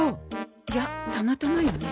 いやたまたまよね。